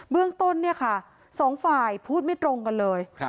เรื่องต้นเนี่ยค่ะสองฝ่ายพูดไม่ตรงกันเลย